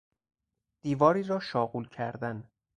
دیواری را شاغول کردن